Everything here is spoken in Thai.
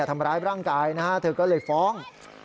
ทำร้ายร่างกายนะฮะเธอก็เลยฟ้อง